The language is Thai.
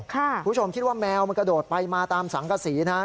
คุณผู้ชมคิดว่าแมวมันกระโดดไปมาตามสังกษีนะครับ